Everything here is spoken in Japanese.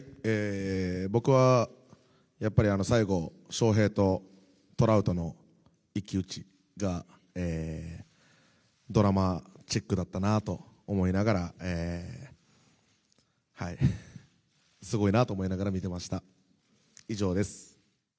僕は最後翔平とトラウトの一騎打ちがドラマチックだったなと思いながらすごいなと思いながら見てました。